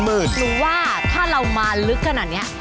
หนูว่าถ้าเรามาลึกขนาดนี้